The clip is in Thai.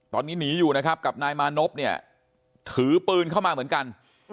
ตอนนี้หนีอยู่นะครับกับนายมานพเนี่ยถือปืนเข้ามาเหมือนกัน